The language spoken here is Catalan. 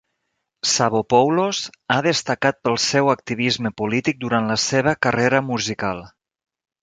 Savvopoulos ha destacat pel seu activisme polític durant la seva carrera musical.